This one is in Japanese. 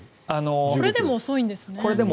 これでも遅いです。